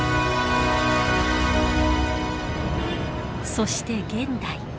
そして現代。